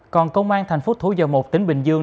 còn công an thành phố thủ dầu một tỉnh bình dương